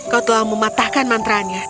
kau telah mematahkan mantra nya